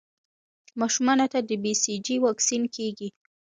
ماشومانو ته د بي سي جي واکسین کېږي.